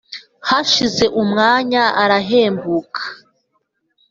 Hashize umwanya arahembuka